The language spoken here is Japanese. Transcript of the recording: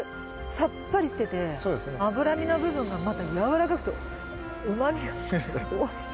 さっぱりしてて脂身の部分がまたやわらかくてうまみがおいしい。